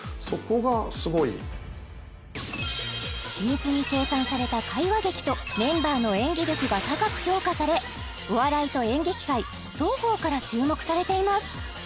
緻密に計算された会話劇とメンバーの演技力が高く評価されお笑いと演劇界双方から注目されています